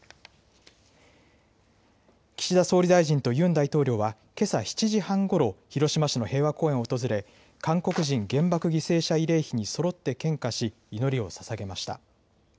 岸田総理大臣とユン大統領はけさ７時半ごろ、広島市の平和公園を訪れ、韓国人原爆犠牲者慰霊碑にそろって献花し、祈りをささげました。